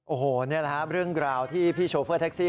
โอ้โหนี่แหละครับเรื่องราวที่พี่โชเฟอร์แท็กซี่